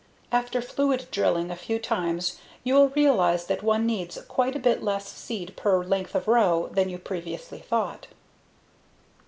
After fluid drilling a few times you'll realize that one needs quite a bit less seed per length of row than you previously thought.